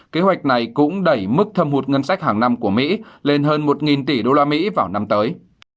kế hoạch này cũng đẩy mức thâm hụt ngân sách hàng năm của mỹ lên hơn một tỷ usd vào năm tới